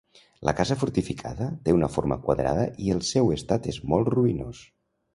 La casa fortificada té una forma quadrada i el seu estat és molt ruïnós.